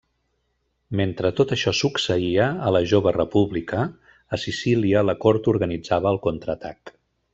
Mentre tot això succeïa a la jove república, a Sicília la cort organitzava el contraatac.